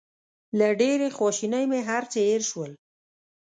له ډېرې خواشینۍ مې هر څه هېر شول.